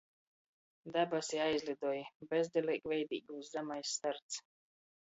Dabasi aizlidoj. Bezdeleigveideigūs zamais starts.